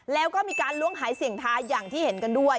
แล้วก็มีการล้วงหายเสียงทายอย่างที่เห็นกันด้วย